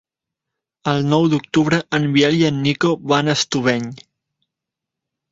El nou d'octubre en Biel i en Nico van a Estubeny.